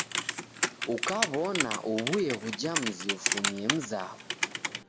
Ukaw'ona uw'ue ghuja muzi ufumie mzaw'o.